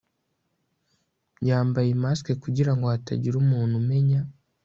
yambaye mask kugirango hatagira umuntu umenya